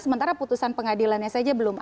sementara putusan pengadilannya saja belum